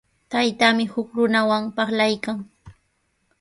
Taytaami huk runawan parlaykan.